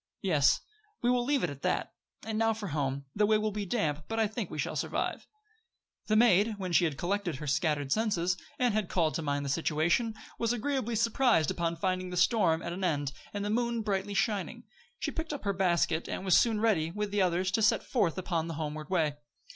"Yes. We will leave it at that. And now for home. The way will be damp, but I think we shall survive." The maid, when she had collected her scattered senses, and had called to mind the situation, was agreeably surprised upon finding the storm at an end, and the moon brightly shining. She picked up her basket, and was soon ready, with the others, to set forth upon the homeward way.